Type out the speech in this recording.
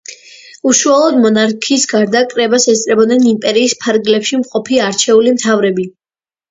უშუალოდ მონარქის გარდა, კრებას ესწრებოდნენ იმპერიის ფარგლებში მყოფი არჩეული მთავრები.